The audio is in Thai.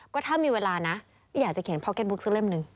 ก็ถ้ามีเวลานะไม่อยากจะเขียนพอเก็ตบุ๊กสักเล่มหนึ่ง